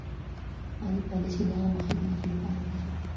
مالي پالیسي د عامه خدماتو لپاره ده.